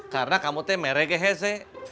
karena kamu tuh mere gehese